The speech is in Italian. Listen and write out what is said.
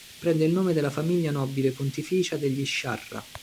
Prende il nome dalla famiglia nobile pontificia degli Sciarra.